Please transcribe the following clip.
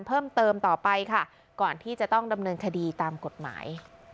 เพิ่มเติมต่อไปค่ะก่อนที่จะต้องดำเนินคดีตามกฎหมาย